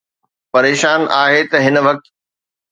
پريشان آهي ته هن وقت